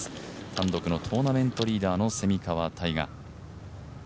単独のトーナメントリーダーの蝉川泰果。